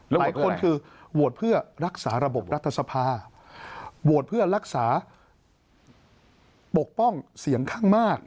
หลายคนคือโหวตเพื่อรักษาระบบรัฐสภาโหวตเพื่อรักษาปกป้องเสียงข้างมาก